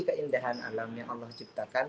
keindahan alam yang allah ciptakan